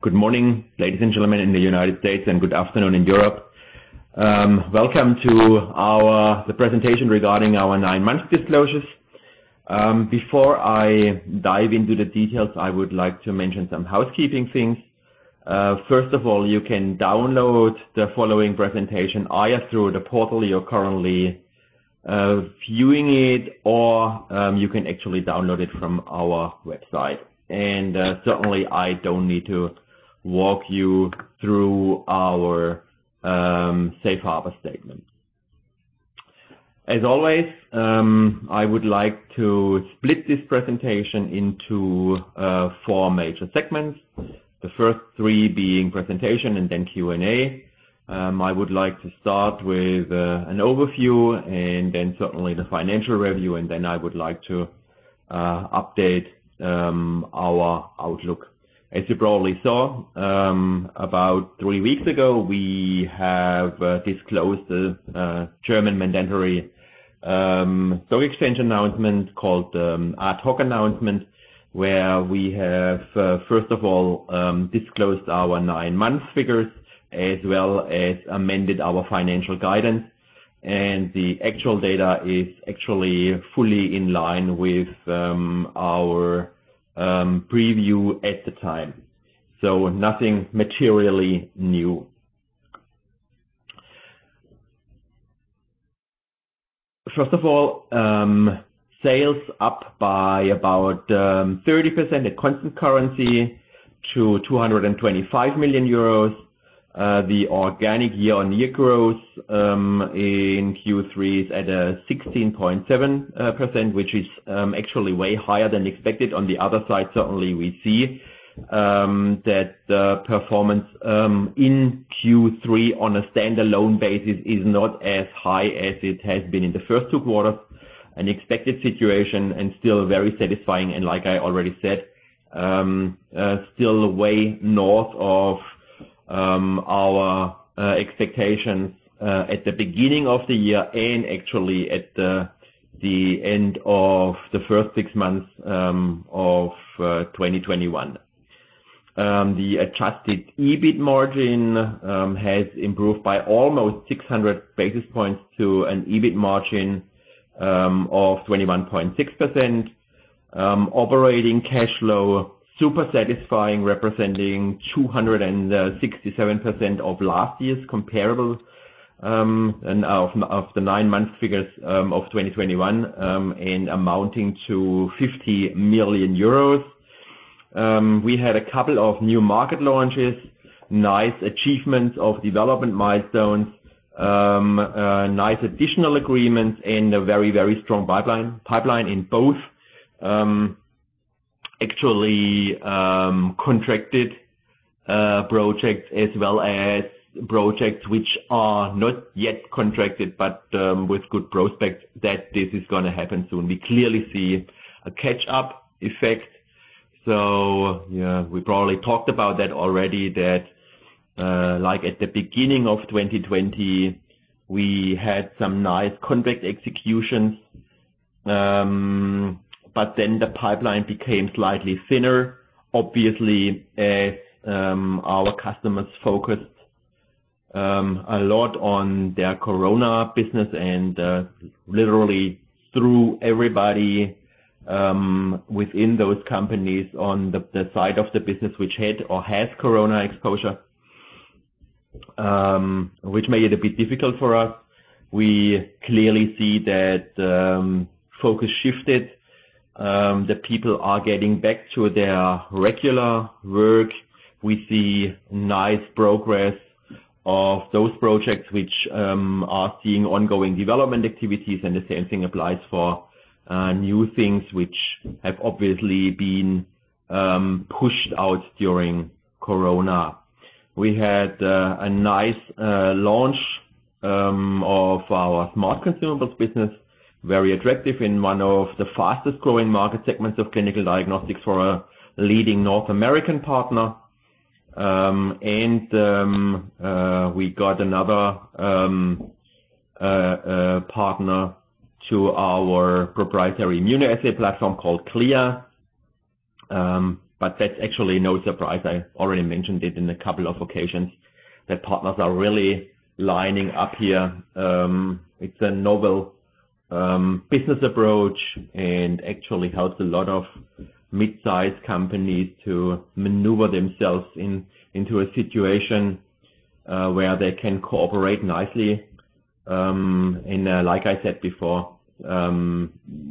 Good morning, ladies and gentlemen in the United States and good afternoon in Europe. Welcome to the Presentation regarding our 9M disclosures. Before I dive into the details, I would like to mention some housekeeping things. First of all, you can download the following presentation either through the portal you're currently viewing it, or you can actually download it from our website. Certainly, I don't need to walk you through our safe harbor statement. As always, I would like to split this presentation into four major segments, the first three being presentation and then Q&A. I would like to start with an overview and then certainly the financial review. I would like to update our outlook. As you probably saw, about three weeks ago, we have disclosed the German mandatory stock exchange announcement called Ad-hoc disclosure, where we have first of all disclosed our 9M figures, as well as amended our financial guidance. The actual data is actually fully in line with our preview at the time. Nothing materially new. First of all, sales up by about 30% at constant currency to 225 million euros. The organic year-on-year growth in Q3 is at 16.7%, which is actually way higher than expected. On the other side, certainly we see that the performance in Q3 on a standalone basis is not as high as it has been in the first two quarters. An expected situation and still very satisfying. Like I already said, still way north of our expectations at the beginning of the year and actually at the end of the first six months of 2021. The adjusted EBIT margin has improved by almost 600 basis points to an EBIT margin of 21.6%. Operating cash flow, super satisfying, representing 267% of last year's comparable and of the9M figures of 2021, and amounting to 50 million euros. We had a couple of new market launches, nice achievements of development milestones, nice additional agreements and a very, very strong pipeline in both, actually, contracted projects as well as projects which are not yet contracted, but with good prospects that this is gonna happen soon. We clearly see a catch-up effect. Yeah, we probably talked about that already, that like at the beginning of 2020, we had some nice contract executions. But then the pipeline became slightly thinner, obviously, as our customers focused a lot on their corona business and literally threw everybody within those companies on the side of the business which had or has corona exposure, which made it a bit difficult for us. We clearly see that focus shifted, the people are getting back to their regular work. We see nice progress of those projects which are seeing ongoing development activities, and the same thing applies for new things which have obviously been pushed out during corona. We had a nice launch of our smart consumables business, very attractive in one of the fastest-growing market segments of clinical diagnostics for a leading North American partner. We got another partner to our proprietary immunoassay platform called CLIA. That's actually no surprise. I already mentioned it in a couple of occasions that partners are really lining up here. It's a novel business approach and actually helps a lot of mid-size companies to maneuver themselves into a situation where they can cooperate nicely. Like I said before,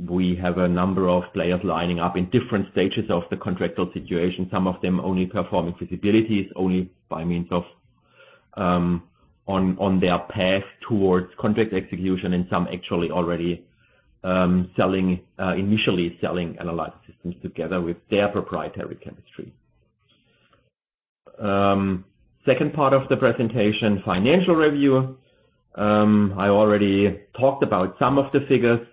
we have a number of players lining up in different stages of the contractual situation. Some of them only performing feasibilities, only by means of on their path towards contract execution, and some actually already initially selling Analyzer Systems together with their proprietary chemistry. Second part of the presentation, financial review. I already talked about some of the figures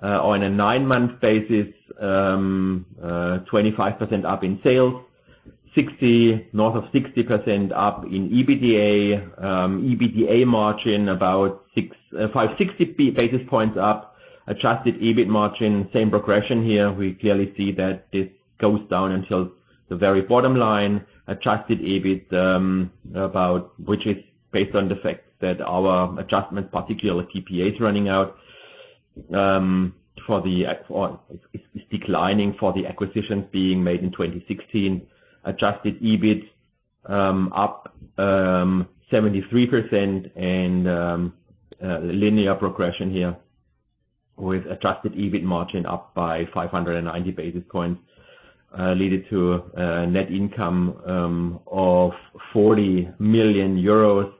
on a nine-month basis, 25% up in sales. 60, north of 60% up in EBITDA margin about 560 basis points up. Adjusted EBIT margin, same progression here. We clearly see that this goes down until the very bottom line. Adjusted EBIT, about, which is based on the fact that our adjustment, particularly PPA, is declining for the acquisitions being made in 2016. Adjusted EBIT up 73% and linear progression here with adjusted EBIT margin up by 590 basis points, leading to net income of 40 million euros,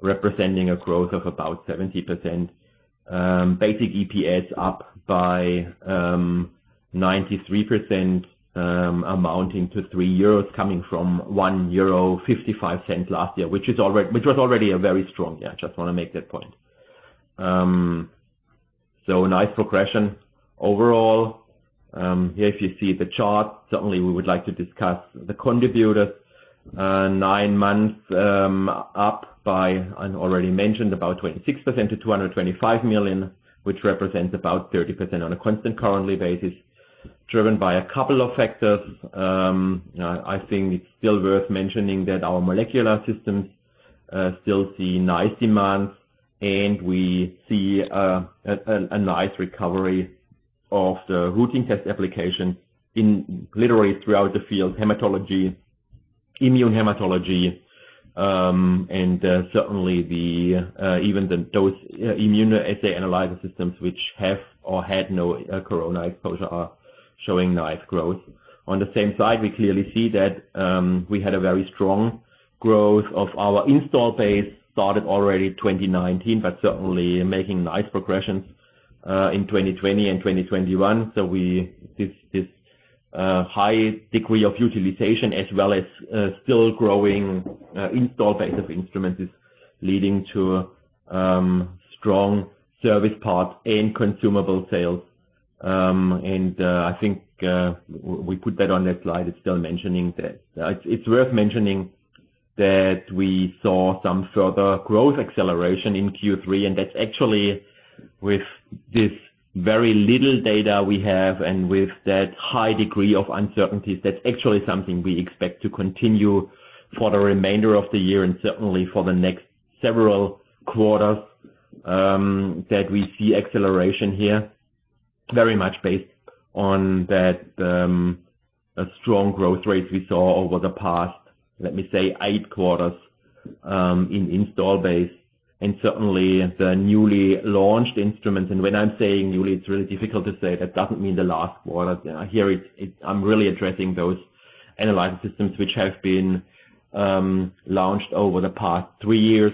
representing a growth of about 70%. Basic EPS up by 93%, amounting to 3 euros coming from 1.55 euro last year, which was already a very strong year. I just wanna make that point. Nice progression overall. If you see the chart, certainly we would like to discuss the contributors, nine months up by and already mentioned about 26% to 225 million, which represents about 30% on a constant currency basis, driven by a couple of factors. I think it's still worth mentioning that our molecular systems still see nice demand, and we see a nice recovery of the routine test application in laboratories throughout the field, hematology, immune hematology, and certainly even those Immunoassay Analyzer Systems which have or had no corona exposure are showing nice growth. On the same side, we clearly see that we had a very strong growth of our installed base, started already 2019, but certainly making nice progress in 2020 and 2021. High degree of utilization as well as still growing installed base of instruments is leading to strong Service Parts and Consumables sales. I think we put that on that slide. It's still mentioning that. It's worth mentioning that we saw some further growth acceleration in Q3, and that's actually with this very little data we have and with that high degree of uncertainties, that's actually something we expect to continue for the remainder of the year and certainly for the next several quarters, that we see acceleration here, very much based on that, strong growth rates we saw over the past, let me say, eight quarters, in installed base. Certainly the newly launched instruments, and when I'm saying newly, it's really difficult to say that doesn't mean the last quarter. I'm really addressing those Analyzer Systems which have been launched over the past three years,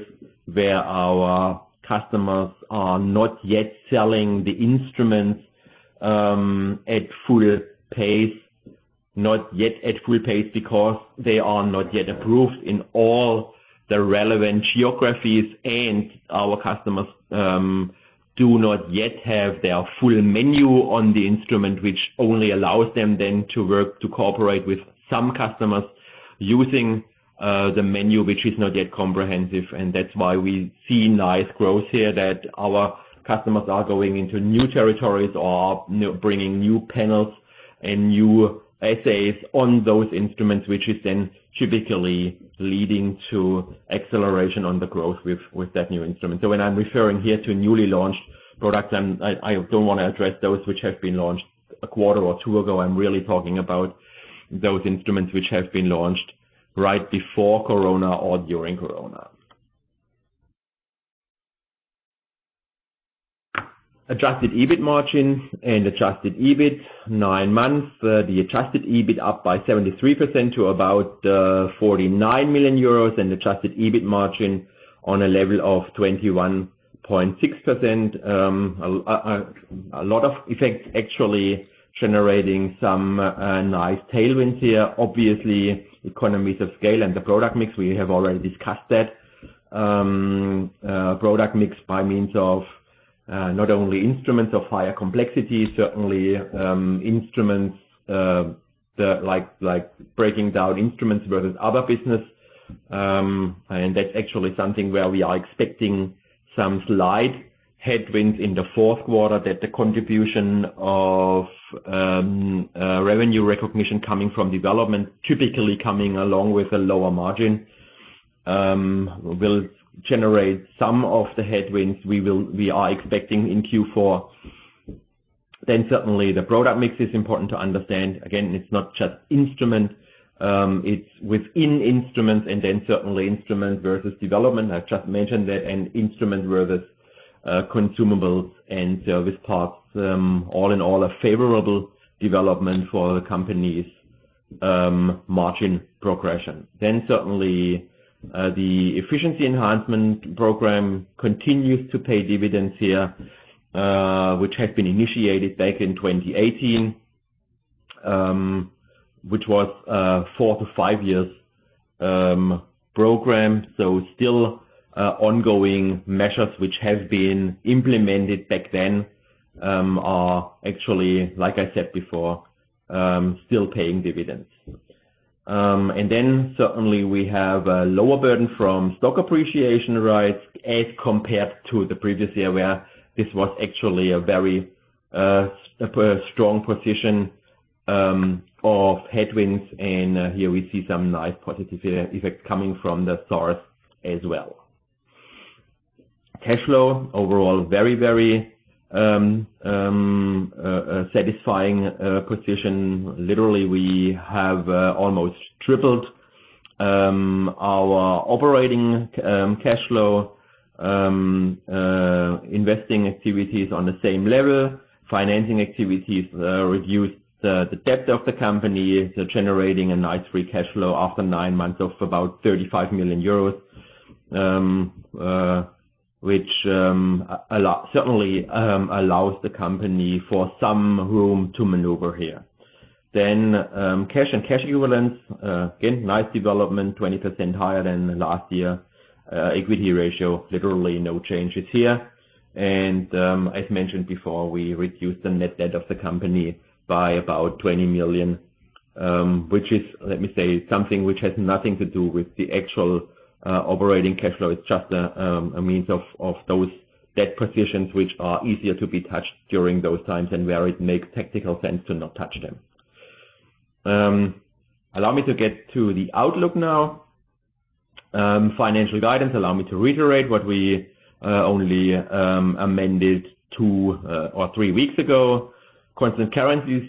where our customers are not yet selling the instruments at full pace because they are not yet approved in all the relevant geographies, and our customers do not yet have their full menu on the instrument, which only allows them then to work, to cooperate with some customers using the menu, which is not yet comprehensive. That's why we see nice growth here, that our customers are going into new territories or bringing new panels and new assays on those instruments, which is then typically leading to acceleration on the growth with that new instrument. When I'm referring here to a newly launched product, I don't wanna address those which have been launched a quarter or two ago. I'm really talking about those instruments which have been launched right before Corona or during Corona. Adjusted EBIT margins and adjusted EBIT nine months. The adjusted EBIT up by 73% to about 49 million euros and adjusted EBIT margin on a level of 21.6%. A lot of effects actually generating some nice tailwinds here. Obviously, economies of scale and the product mix, we have already discussed that. Product mix by means of not only instruments of higher complexity, certainly instruments like breaking down instruments versus other business. That's actually something where we are expecting some slight headwinds in the Q4. That the contribution of revenue recognition coming from development, typically coming along with a lower margin, will generate some of the headwinds we are expecting in Q4. Certainly the product mix is important to understand. Again, it's not just instrument, it's within instruments and then certainly instruments versus development. I've just mentioned that an instrument versus consumables and service parts, all in all a favorable development for the company's margin progression. Certainly the Efficiency Enhancement program continues to pay dividends here, which had been initiated back in 2018, which was four to five years program. Still ongoing measures which have been implemented back then are actually, like I said before, still paying dividends. Certainly we have a lower burden from stock appreciation rights as compared to the previous year, where this was actually a very strong position of headwinds. Here we see some nice positive effect coming from the SARs as well. Cash flow overall very satisfying position. Literally we have almost tripled our operating cash flow. Investing activities on the same level. Financing activities reduced the debt of the company, so generating a nice free cash flow after nine months of about 35 million euros, which certainly allows the company some room to maneuver here. Cash and cash equivalents again nice development, 20% higher than last year. Equity ratio literally no changes here. As mentioned before, we reduced the net debt of the company by about 20 million, which is, let me say, something which has nothing to do with the actual operating cash flow. It's just a means of those debt positions which are easier to be touched during those times and where it makes tactical sense to not touch them. Allow me to get to the outlook now. Financial guidance, allow me to reiterate what we only amended two or three weeks ago. Constant currency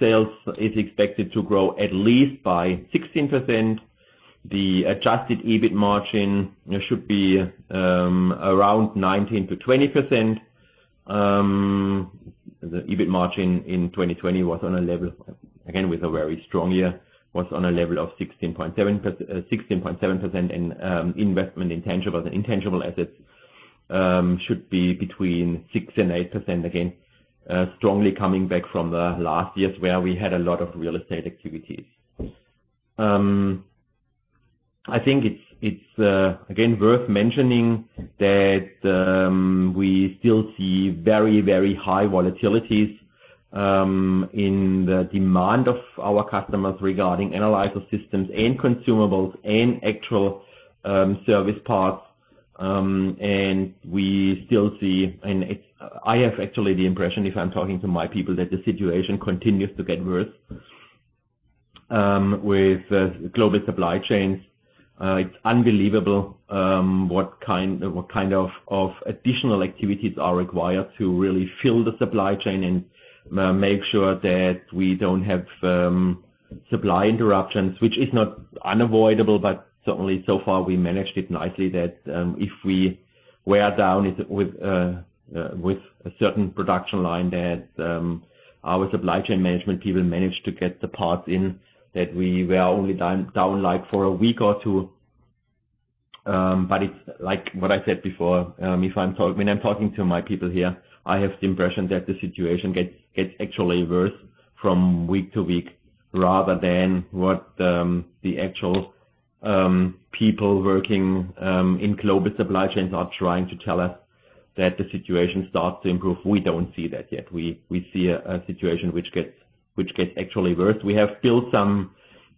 sales is expected to grow at least by 16%. The adjusted EBIT margin should be around 19%-20%. The EBIT margin in 2020 was on a level, again, with a very strong year, was on a level of 16.7%. Investment in tangibles and intangible assets should be between 6% and 8%. Again, strongly coming back from the last years where we had a lot of real estate activities. I think it's again worth mentioning that we still see very, very high volatilities in the demand of our customers regarding Analyzer Systems and consumables and actual service parts. We still see. I have actually the impression, if I'm talking to my people, that the situation continues to get worse with the global supply chains. It's unbelievable what kind of additional activities are required to really fill the supply chain and make sure that we don't have supply interruptions, which is not unavoidable, but certainly so far, we managed it nicely that if we go down with a certain production line that our supply chain management people managed to get the parts in, that we were only down like for a week or two. It's like what I said before. When I'm talking to my people here, I have the impression that the situation gets actually worse from week to week, rather than what the actual people working in global supply chains are trying to tell us that the situation starts to improve. We don't see that yet. We see a situation which gets actually worse. We have built some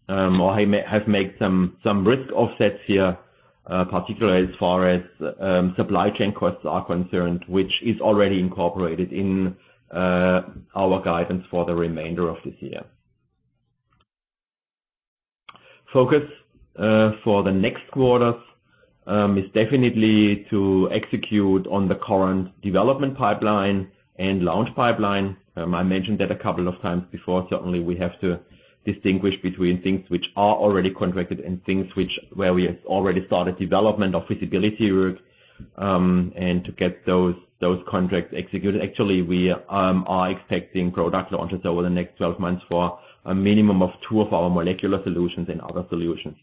or have made some risk offsets here, particularly as far as supply chain costs are concerned, which is already incorporated in our guidance for the remainder of this year. The focus for the next quarters is definitely to execute on the current development pipeline and launch pipeline. I mentioned that a couple of times before. Certainly, we have to distinguish between things which are already contracted and things which where we have already started development or feasibility work, and to get those contracts executed. Actually, we are expecting product launches over the next 12 months for a minimum of two of our molecular solutions and other solutions.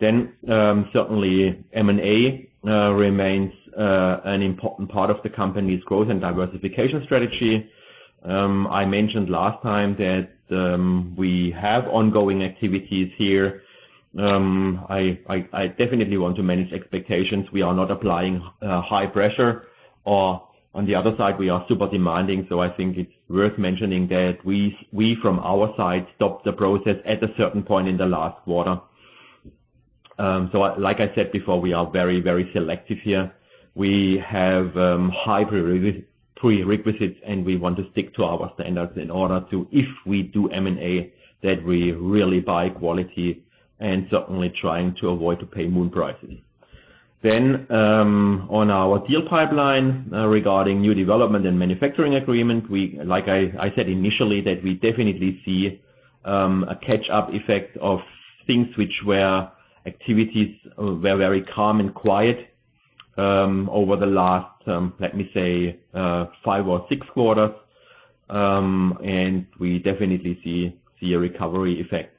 Certainly M&A remains an important part of the company's growth and diversification strategy. I mentioned last time that we have ongoing activities here. I definitely want to manage expectations. We are not applying high pressure, or on the other side, we are super demanding. I think it's worth mentioning that we from our side stopped the process at a certain point in the last quarter. Like I said before, we are very, very selective here. We have high prerequisites, and we want to stick to our standards in order to, if we do M&A, that we really buy quality and certainly trying to avoid to pay moon prices. On our deal pipeline, regarding new development and manufacturing agreement, we, like I said initially, that we definitely see a catch-up effect of things which were activities were very calm and quiet over the last, let me say, five or six quarters. We definitely see a recovery effect.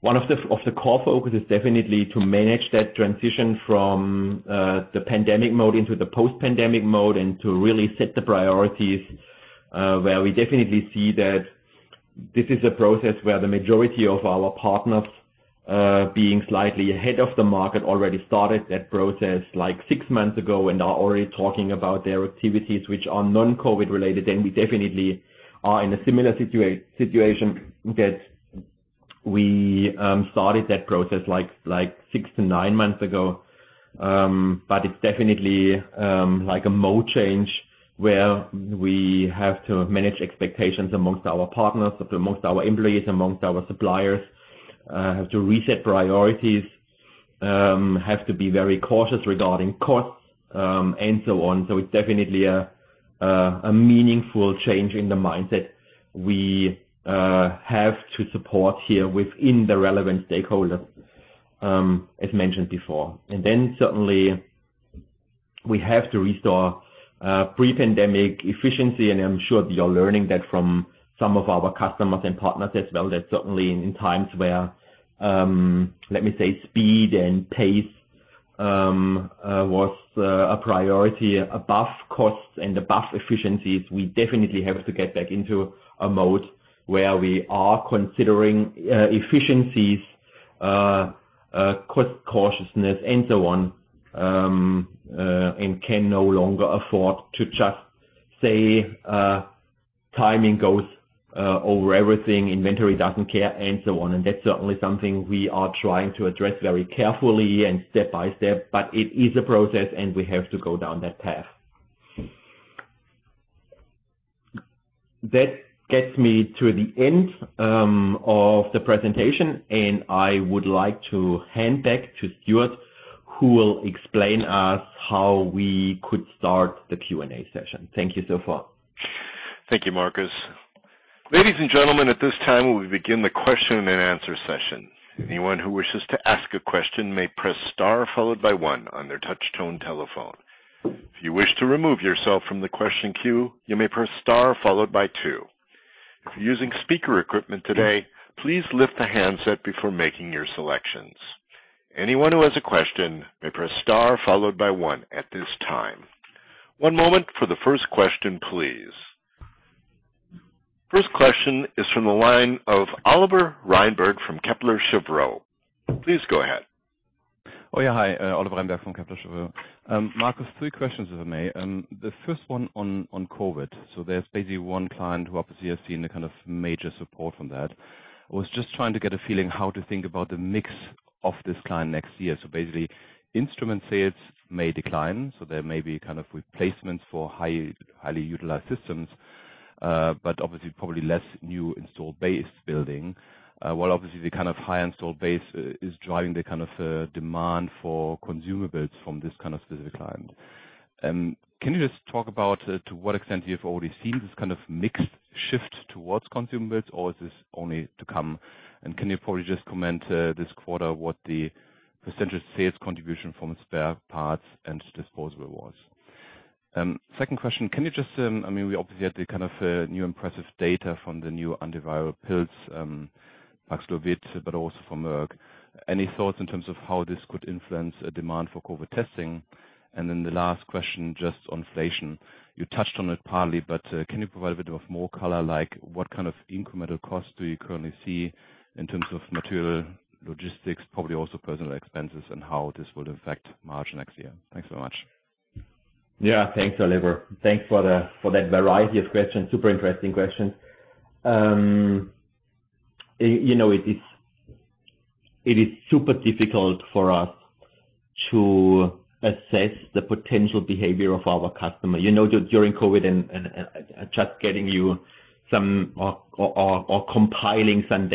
One of the core focus is definitely to manage that transition from the pandemic mode into the post-pandemic mode and to really set the priorities, where we definitely see that this is a process where the majority of our partners, being slightly ahead of the market already started that process like six months ago and are already talking about their activities which are non-COVID related. We definitely are in a similar situation that we started that process like six to nine months ago. It's definitely like a mode change where we have to manage expectations among our partners, among our employees, among our suppliers, have to reset priorities, have to be very cautious regarding costs, and so on. It's definitely a meaningful change in the mindset we have to support here within the relevant stakeholders, as mentioned before. Certainly we have to restore pre-pandemic efficiency, and I'm sure you're learning that from some of our customers and partners as well. That certainly in times where, let me say speed and pace, was a priority above costs and above efficiencies, we definitely have to get back into a mode where we are considering efficiencies, cost cautiousness and so on, and can no longer afford to just say, timing goes over everything, inventory doesn't care and so on. That's certainly something we are trying to address very carefully and step by step, but it is a process and we have to go down that path. That gets me to the end of the presentation, and I would like to hand back to Stuart, who will explain us how we could start the Q&A session. Thank you so far. Thank you, Marcus. Ladies and gentlemen, at this time we begin the question and answer session. Anyone who wishes to ask a question may press star followed by one on their touch tone telephone. If you wish to remove yourself from the question queue, you may press star followed by two. If you're using speaker equipment today, please lift the handset before making your selections. Anyone who has a question may press star followed by one at this time. One moment for the first question, please. First question is from the line of Oliver Reinberg from Kepler Cheuvreux. Please go ahead. Oh, yeah. Hi, Oliver Reinberg from Kepler Cheuvreux. Marcus, three questions, if I may. The first one on COVID. There's basically one client who obviously has seen a kind of major support from that. I was just trying to get a feeling how to think about the mix of this client next year. Basically, instrument sales may decline, so there may be kind of replacements for highly utilized systems, but obviously probably less new install base building. While obviously the kind of high install base is driving the kind of demand for consumables from this kind of specific client. Can you just talk about to what extent you've already seen this kind of mixed shift towards consumables or is this only to come? Can you probably just comment this quarter what the percentage sales contribution from spare parts and disposable was? Second question, can you just, I mean, we obviously had the kind of new impressive data from the new antiviral pills, Paxlovid, but also from Merck. Any thoughts in terms of how this could influence a demand for COVID testing? Then the last question, just on inflation. You touched on it partly, but can you provide a bit more color, like what kind of incremental costs do you currently see in terms of material, logistics, probably also personnel expenses, and how this will affect margin next year? Thanks so much. Yeah. Thanks, Oliver. Thanks for that variety of questions. Super interesting questions. You know, it is super difficult for us to assess the potential behavior of our customer. You know, during COVID and just compiling some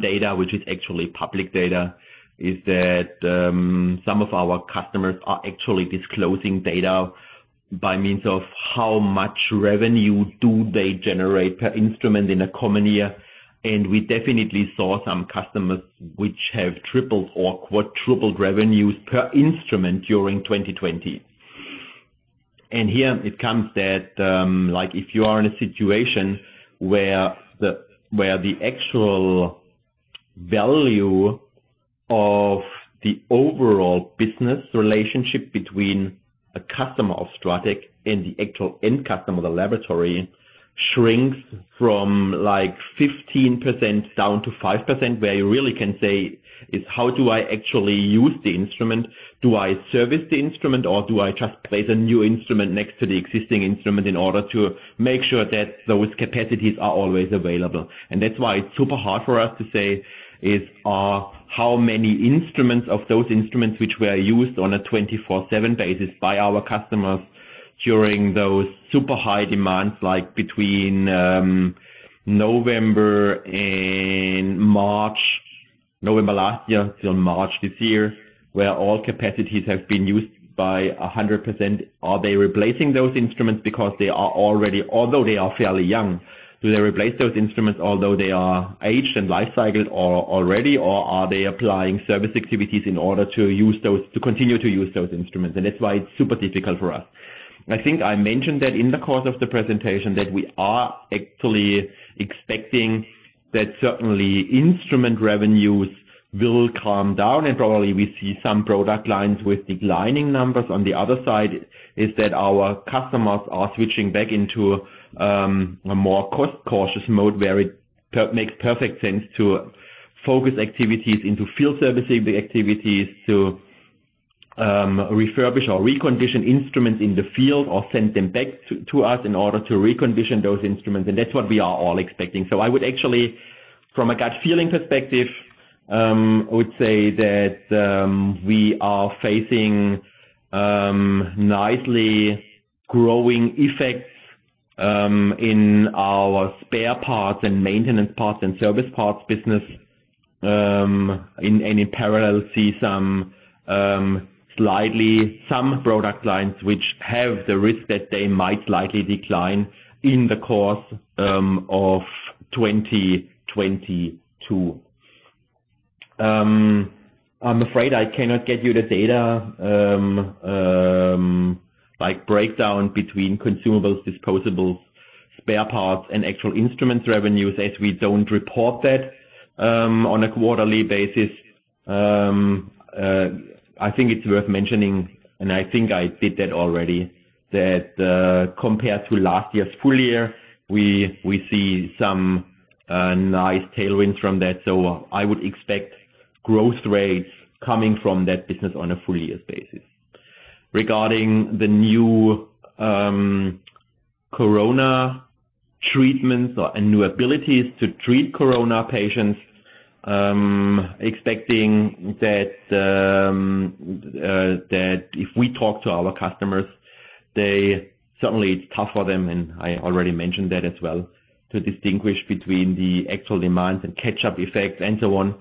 data, which is actually public data, is that some of our customers are actually disclosing data by means of how much revenue do they generate per instrument in a common year. We definitely saw some customers which have tripled or quadrupled revenues per instrument during 2020. Here it comes that, like if you are in a situation where the actual value of the overall business relationship between a customer of STRATEC and the actual end customer, the laboratory, shrinks from like 15% down to 5%, where you really can say is, "How do I actually use the instrument? Do I service the instrument or do I just place a new instrument next to the existing instrument in order to make sure that those capacities are always available?" That's why it's super hard for us to say is, how many of those instruments which were used on a 24/7 basis by our customers during those super high demands, like between November and March, November last year till March this year, where all capacities have been used by 100%. Are they replacing those instruments because although they are fairly young, do they replace those instruments although they are aged and life cycled already or are they applying service activities in order to continue to use those instruments? That's why it's super difficult for us. I think I mentioned that in the course of the presentation that we are actually expecting that certainly instrument revenues will come down and probably we see some product lines with declining numbers. On the other side is that our customers are switching back into a more cost-conscious mode where it makes perfect sense to focus activities into field service activities, to refurbish or recondition instruments in the field or send them back to us in order to recondition those instruments, and that's what we are all expecting. I would actually, from a gut feeling perspective, I would say that we are facing nicely growing effects in our spare parts and maintenance parts and service parts business, and in parallel see some product lines which have the risk that they might slightly decline in the course of 2022. I'm afraid I cannot get you the data like breakdown between consumables, disposables, spare parts and actual instruments revenues, as we don't report that on a quarterly basis. I think it's worth mentioning, and I think I did that already, that compared to last year's FY, we see some nice tailwinds from that. I would expect growth rates coming from that business on a FY basis. Regarding the new corona treatments and new abilities to treat corona patients, expecting that if we talk to our customers, they certainly, it's tough for them, and I already mentioned that as well, to distinguish between the actual demands and catch-up effects and so on.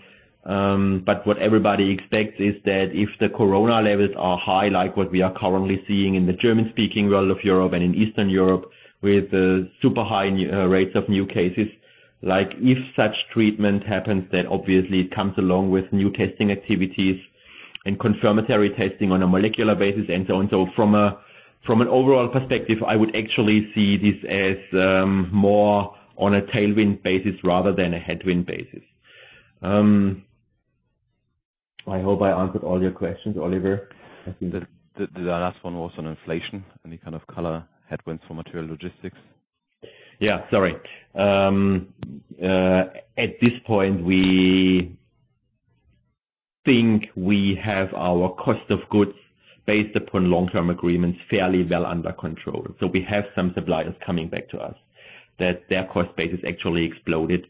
What everybody expects is that if the corona levels are high, like what we are currently seeing in the German-speaking world of Europe and in Eastern Europe with super high rates of new cases, like if such treatment happens, then obviously it comes along with new testing activities and confirmatory testing on a molecular basis and so on. From an overall perspective, I would actually see this as more on a tailwind basis rather than a headwind basis. I hope I answered all your questions, Oliver. The last one was on inflation. Any kind of color headwinds for material logistics? Yeah, sorry. At this point, we think we have our cost of goods based upon long-term agreements fairly well under control. We have some suppliers coming back to us that their cost base has actually exploded.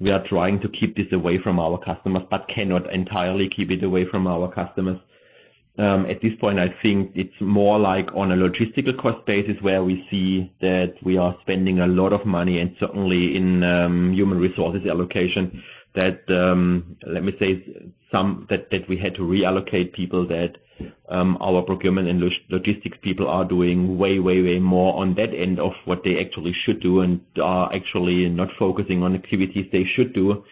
We are trying to keep this away from our customers, but cannot entirely keep it away from our customers. At this point, I think it's more like on a logistical cost basis where we see that we are spending a lot of money and certainly in human resources allocation that, let me say, that we had to reallocate people that our procurement and logistics people are doing way more on that end of what they actually should do and are actually not focusing on activities they should do,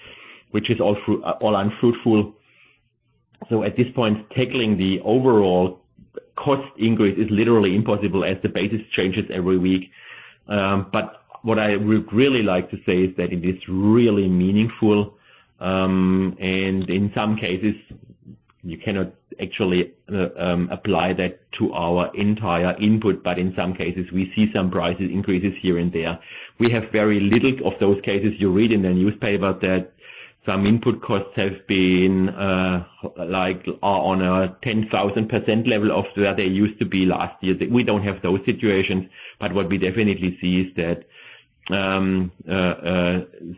which is all unfruitful. At this point, tackling the overall cost increase is literally impossible as the basis changes every week. What I would really like to say is that it is really meaningful, and in some cases you cannot actually apply that to our entire input. In some cases, we see some price increases here and there. We have very little of those cases. You read in the newspaper that some input costs have been like on a 10,000% level of where they used to be last year. We don't have those situations, but what we definitely see is that some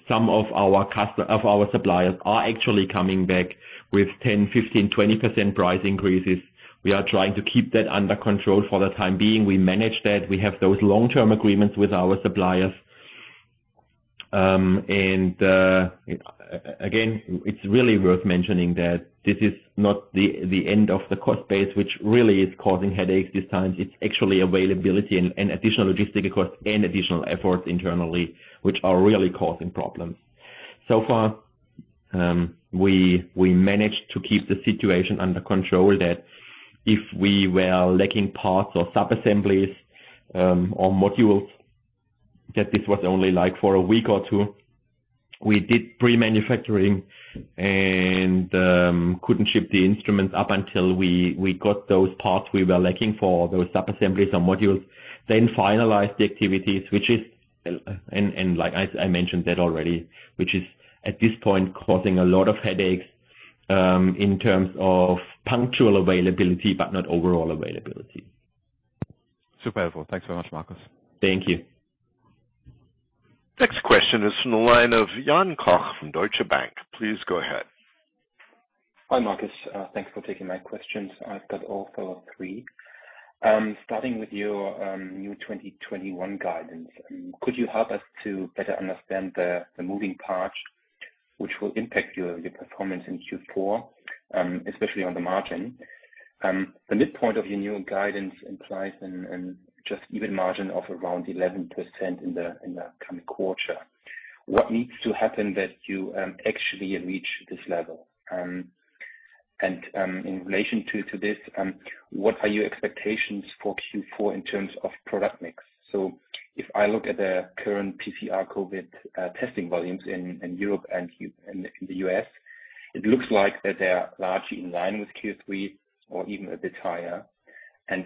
of our suppliers are actually coming back with 10, 15, 20% price increases. We are trying to keep that under control for the time being. We manage that. We have those long-term agreements with our suppliers. Again, it's really worth mentioning that this is not the end of the cost base, which really is causing headaches this time. It's actually availability and additional logistical costs and additional efforts internally which are really causing problems. So far, we managed to keep the situation under control that if we were lacking parts or sub-assemblies or modules, that this was only like for a week or two. We did pre-manufacturing and couldn't ship the instruments up until we got those parts we were lacking for those sub-assemblies or modules, then finalized the activities, like I mentioned that already, which is at this point causing a lot of headaches in terms of punctual availability, but not overall availability. Super helpful. Thanks very much, Marcus. Thank you. Next question is from the line of Jan Koch from Deutsche Bank. Please go ahead. Hi, Marcus. Thanks for taking my questions. I've got also three. Starting with your new 2021 guidance, could you help us to better understand the moving parts which will impact your performance in Q4, especially on the margin? The midpoint of your new guidance implies an EBIT margin of around 11% in the coming quarter. What needs to happen that you actually reach this level? In relation to this, what are your expectations for Q4 in terms of product mix? If I look at the current PCR COVID testing volumes in Europe and in the US, it looks like that they are largely in line with Q3 or even a bit higher.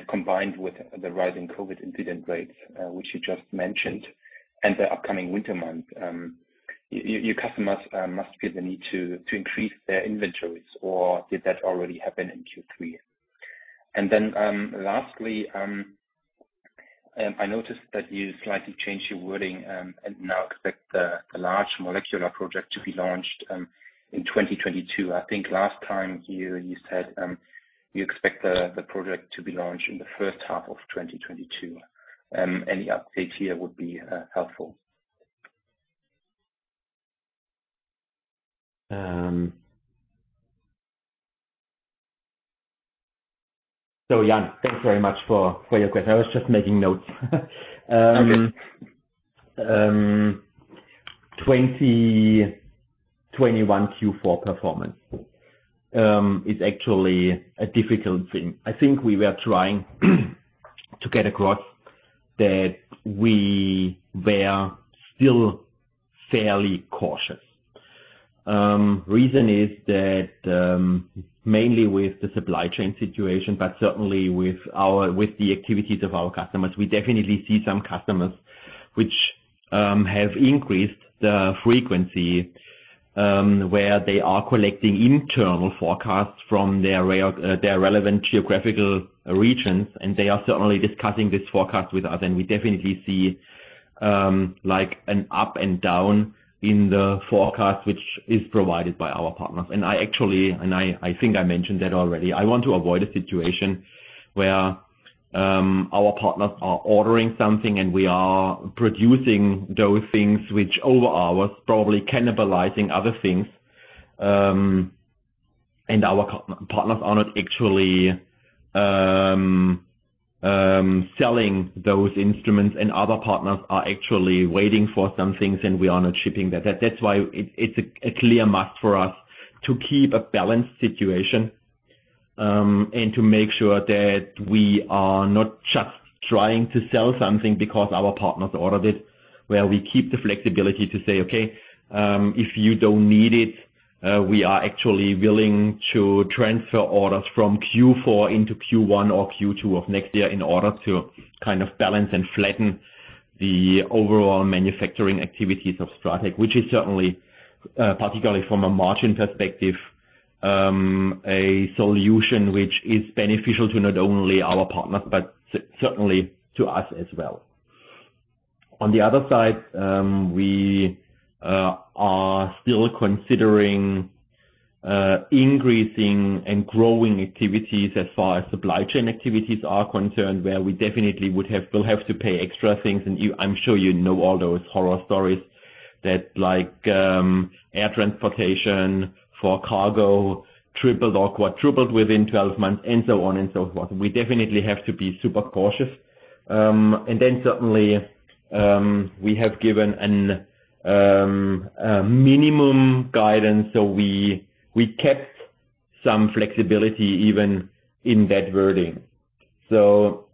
Combined with the rising COVID incident rates, which you just mentioned and the upcoming winter months, your customers must feel the need to increase their inventories or did that already happen in Q3? Lastly, I noticed that you slightly changed your wording, and now expect a large molecular project to be launched in 2022. I think last time you said you expect the project to be launched in the H1 of 2022. Any update here would be helpful. Jan, thanks very much for your question. I was just making notes. Okay. 2021 Q4 performance is actually a difficult thing. I think we were trying to get across that we were still fairly cautious. Reason is that, mainly with the supply chain situation, but certainly with the activities of our customers, we definitely see some customers which have increased the frequency where they are collecting internal forecasts from their relevant geographical regions, and they are certainly discussing this forecast with us. We definitely see like an up and down in the forecast, which is provided by our partners. I actually think I mentioned that already. I want to avoid a situation where our partners are ordering something and we are producing those things which over hours probably cannibalizing other things, and our partners are not actually selling those instruments, and other partners are actually waiting for some things, and we are not shipping that. That's why it's a clear must for us to keep a balanced situation, and to make sure that we are not just trying to sell something because our partners ordered it where we keep the flexibility to say, "Okay, if you don't need it, we are actually willing to transfer orders from Q4 into Q1 or Q2 of next year in order to kind of balance and flatten the overall manufacturing activities of STRATEC," which is certainly, particularly from a margin perspective, a solution which is beneficial to not only our partners but certainly to us as well. On the other side, we are still considering increasing and growing activities as far as supply chain activities are concerned, where we definitely will have to pay extra things. You, I'm sure you know all those horror stories that, like, air transportation for cargo tripled or quadrupled within 12 months and so on and so forth. We definitely have to be super cautious. We have given a minimum guidance, so we kept some flexibility even in that wording. You're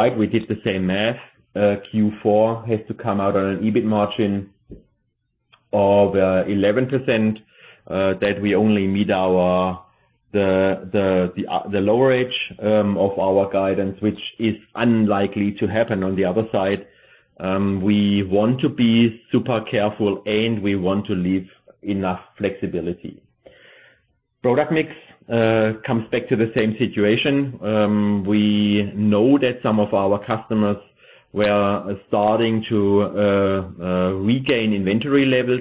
right, we did the same math. Q4 has to come out on an EBIT margin of 11%, that we only meet the lower edge of our guidance, which is unlikely to happen on the other side. We want to be super careful, and we want to leave enough flexibility. Product mix comes back to the same situation. We know that some of our customers were starting to regain inventory levels,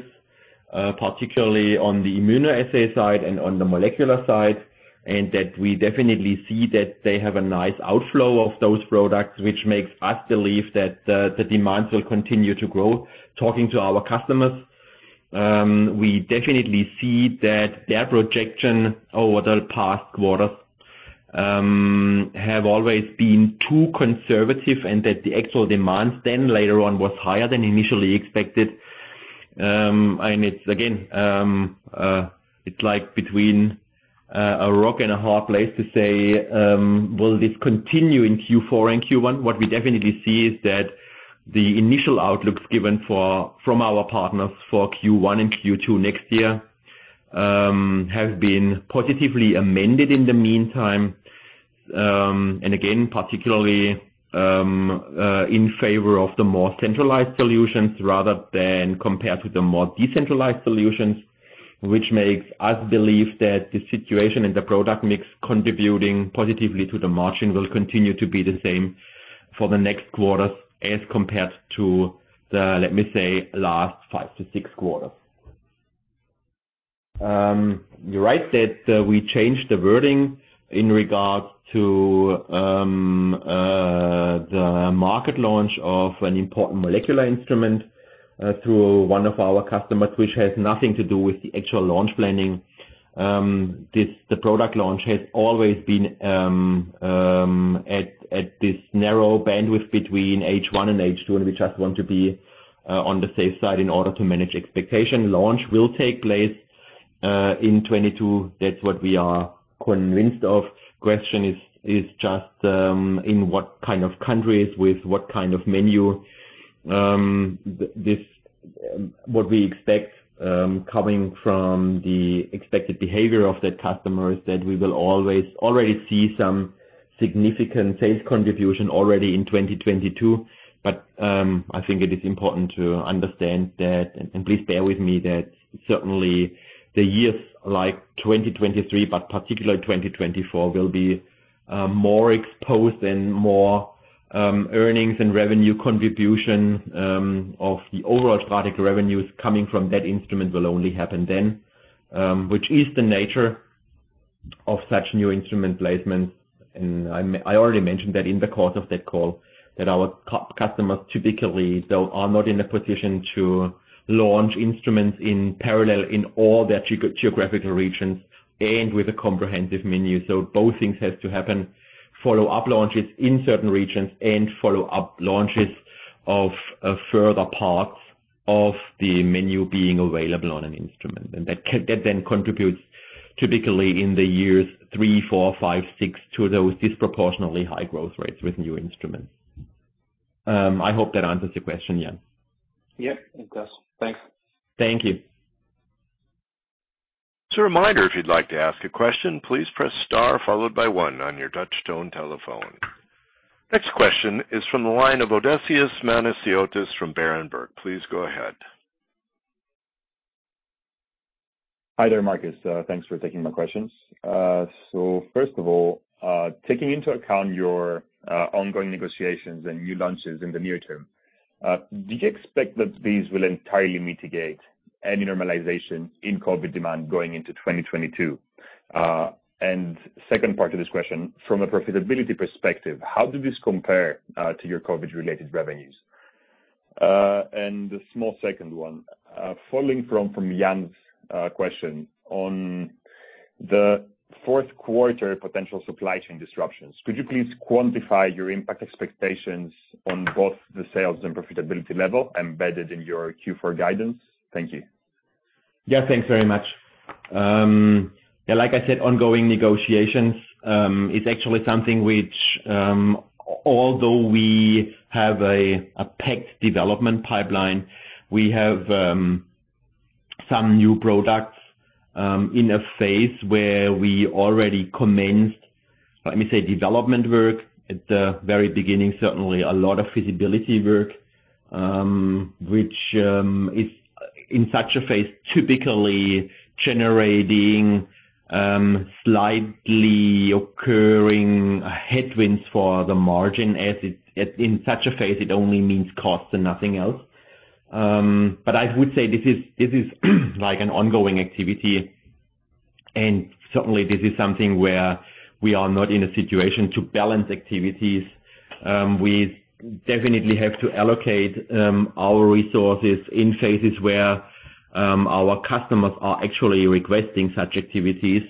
particularly on the immunoassay side and on the molecular side, and that we definitely see that they have a nice outflow of those products, which makes us believe that the demands will continue to grow. Talking to our customers, we definitely see that their projection over the past quarters have always been too conservative and that the actual demand then later on was higher than initially expected. It's again like between a rock and a hard place to say will this continue in Q4 and Q1? What we definitely see is that the initial outlooks given from our partners for Q1 and Q2 next year have been positively amended in the meantime. Again, particularly in favor of the more centralized solutions rather than compared to the more decentralized solutions, which makes us believe that the situation and the product mix contributing positively to the margin will continue to be the same for the next quarters as compared to the, let me say, last five to six quarters. You're right that we changed the wording in regards to the market launch of an important molecular instrument to one of our customers, which has nothing to do with the actual launch planning. This, the product launch has always been at this narrow bandwidth between H1 and H2, and we just want to be on the safe side in order to manage expectation. Launch will take place in 2022, that's what we are convinced of. Question is, just in what kind of countries, with what kind of manure, what we expect coming from the expected behavior of that customer is that we will always already see some significant sales contribution already in 2022. I think it is important to understand that, and please bear with me, that certainly the years like 2023, but particularly 2024, will be more exposed and more earnings and revenue contribution of the overall strategic revenues coming from that instrument will only happen then, which is the nature of such new instrument placements. I already mentioned that in the course of that call that our customers typically, though, are not in a position to launch instruments in parallel in all their geographical regions and with a comprehensive menu. Both things have to happen. Follow-up launches in certain regions and follow-up launches of further parts of the menu being available on an instrument. That then contributes typically in the years three, four, five, six to those disproportionately high growth rates with new instruments. I hope that answers your question, Jan. Yeah, it does. Thanks. Thank you. As a reminder, if you'd like to ask a question, please press star followed by one on your touch tone telephone. Next question is from the line of Odysseas Manesiotis from Berenberg. Please go ahead. Hi there, Marcus. Thanks for taking my questions. So first of all, taking into account your ongoing negotiations and new launches in the near term, do you expect that these will entirely mitigate any normalization in COVID demand going into 2022? And second part to this question, from a profitability perspective, how did this compare to your COVID-related revenues? And a small second one, following from Jan's question on the Q4 potential supply chain disruptions, could you please quantify your impact expectations on both the sales and profitability level embedded in your Q4 guidance? Thank you. Yeah, thanks very much. Yeah, like I said, ongoing negotiations is actually something which, although we have a packed development pipeline, we have some new products in a phase where we already commenced, let me say, development work at the very beginning. Certainly a lot of feasibility work, which is in such a phase typically generating slightly occurring headwinds for the margin. In such a phase, it only means cost and nothing else. I would say this is like an ongoing activity, and certainly this is something where we are not in a situation to balance activities. We definitely have to allocate our resources in phases where our customers are actually requesting such activities,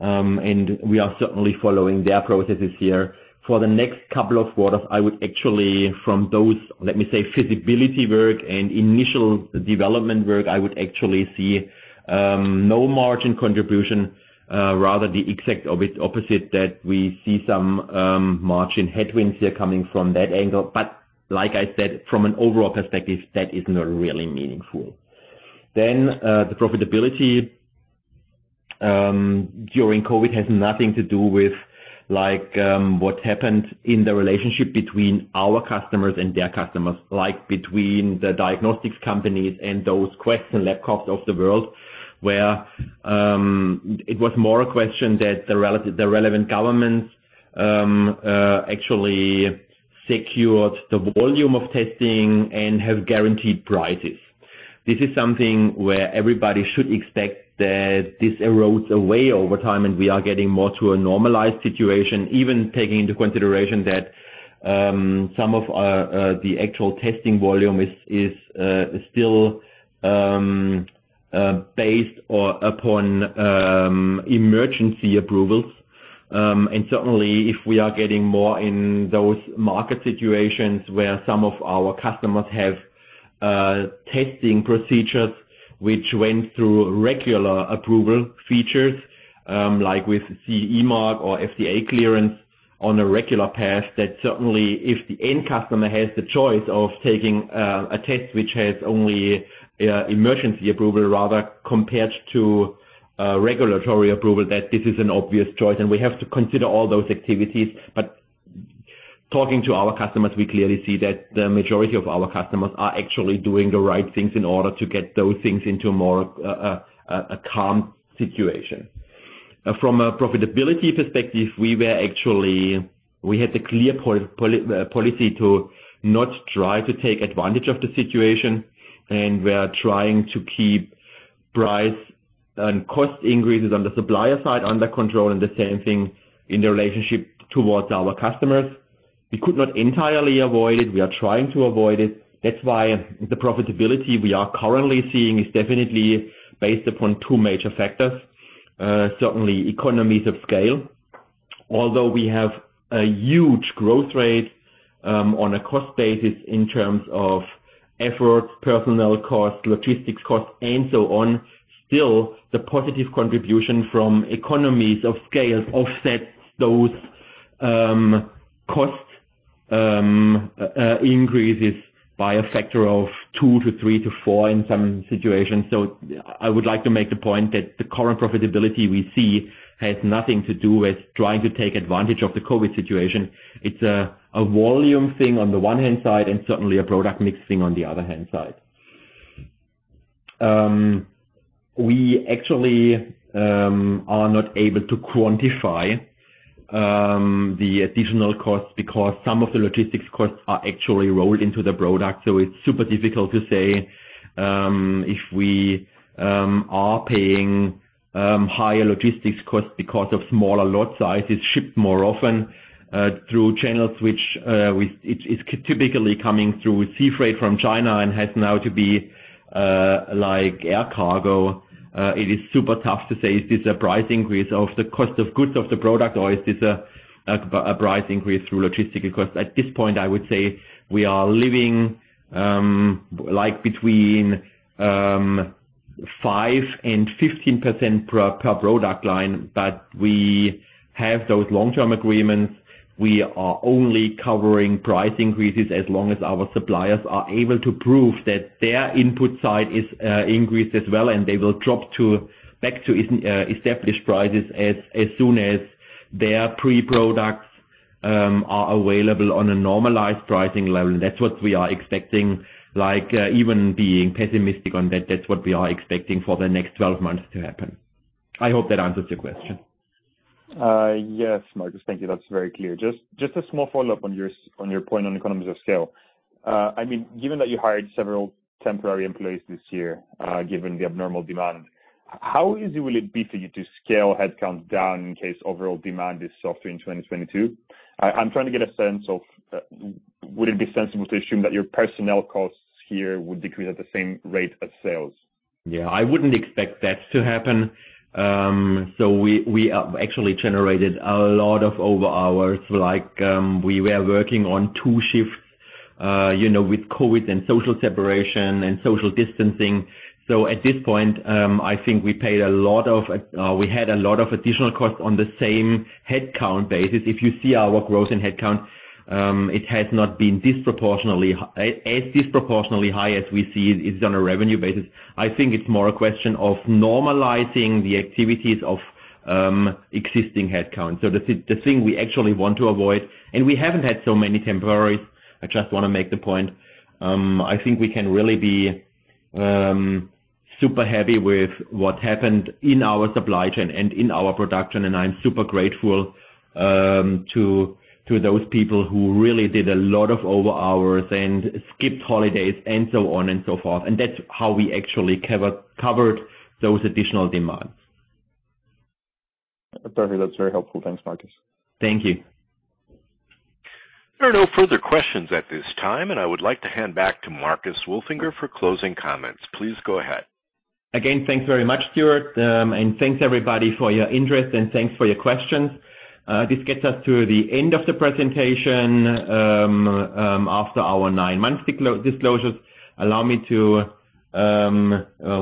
and we are certainly following their processes here. For the next couple of quarters, I would actually from those, let me say, feasibility work and initial development work, I would actually see no margin contribution, rather the exact opposite that we see some margin headwinds here coming from that angle. Like I said, from an overall perspective, that is not really meaningful. The profitability during COVID has nothing to do with like what happened in the relationship between our customers and their customers, like between the diagnostics companies and those Quest and Labcorp of the world, where it was more a question that the relevant governments actually secured the volume of testing and have guaranteed prices. This is something where everybody should expect that this erodes away over time and we are getting more to a normalized situation, even taking into consideration that some of our actual testing volume is still based upon emergency approvals. Certainly if we are getting more in those market situations where some of our customers have testing procedures which went through regular approval features, like with CE mark or FDA clearance on a regular path, that certainly if the end customer has the choice of taking a test which has only emergency approval rather compared to regulatory approval, that this is an obvious choice and we have to consider all those activities. Talking to our customers, we clearly see that the majority of our customers are actually doing the right things in order to get those things into more, a calm situation. From a profitability perspective, we had the clear policy to not try to take advantage of the situation, and we are trying to keep price and cost increases on the supplier side under control and the same thing in the relationship towards our customers. We could not entirely avoid it. We are trying to avoid it. That's why the profitability we are currently seeing is definitely based upon two major factors. Certainly economies of scale. Although we have a huge growth rate, on a cost basis in terms of efforts, personnel costs, logistics costs, and so on, still, the positive contribution from economies of scale offsets those cost increases by a factor of two to three to four in some situations. I would like to make the point that the current profitability we see has nothing to do with trying to take advantage of the COVID situation. It's a volume thing on the one hand side, and certainly a product mix thing on the other hand side. We actually are not able to quantify the additional costs because some of the logistics costs are actually rolled into the product, so it's super difficult to say if we are paying higher logistics costs because of smaller lot sizes shipped more often through channels. It's typically coming through sea freight from China and has now to be like air cargo. It is super tough to say, is this a price increase of the cost of goods of the product, or is this a price increase through logistics? Because at this point, I would say we are living like between 5%-15% per product line. But we have those long-term agreements. We are only covering price increases as long as our suppliers are able to prove that their input side is increased as well, and they will drop back to established prices as soon as their pre-products are available on a normalized pricing level. That's what we are expecting. Like, even being pessimistic on that's what we are expecting for the next 12 months to happen. I hope that answers your question. Yes, Marcus. Thank you. That's very clear. Just a small follow-up on your point on economies of scale. I mean, given that you hired several temporary employees this year, given the abnormal demand, how easy will it be for you to scale headcounts down in case overall demand is softer in 2022? I'm trying to get a sense of, would it be sensible to assume that your personnel costs here would decrease at the same rate as sales? Yeah. I wouldn't expect that to happen. We actually generated a lot of over hours. We were working on two shifts, you know, with COVID and social separation and social distancing. At this point, I think we had a lot of additional costs on the same headcount basis. If you see our growth in headcount, it has not been disproportionately high as we see it is on a revenue basis. I think it's more a question of normalizing the activities of existing headcount. The thing we actually want to avoid. We haven't had so many temporaries, I just wanna make the point. I think we can really be super happy with what happened in our supply chain and in our production, and I'm super grateful to those people who really did a lot of over hours and skipped holidays and so on and so forth. That's how we actually covered those additional demands. Totally. That's very helpful. Thanks, Marcus. Thank you. There are no further questions at this time, and I would like to hand back to Marcus Wolfinger for closing comments. Please go ahead. Again, thanks very much, Stuart. Thanks everybody for your interest, and thanks for your questions. This gets us to the end of the presentation, after our 9M disclosures. Allow me to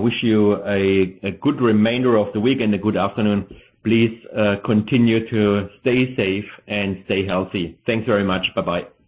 wish you a good remainder of the week and a good afternoon. Please, continue to stay safe and stay healthy. Thanks very much. Bye-bye.